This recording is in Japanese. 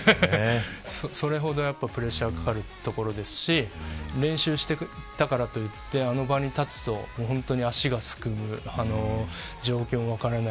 それほどプレッシャーがかかるところですし練習していたからといってあの場に立つと本当に足がすくむ状況も分からない